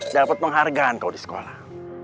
dapet penghargaan kau di sekolah